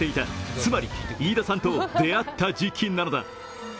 つまり、飯田さんと出会った時期なのだ。